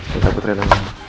saya jemput rena